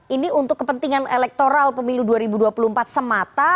ini untuk kepentingan elektoral pemilu dua ribu dua puluh empat semata